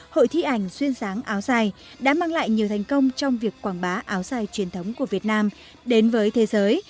hội thi ảnh duyên dáng áo dài đã mang lại nhiều thành công trong việc quảng bá áo dài truyền thống của việt nam đến với thế giới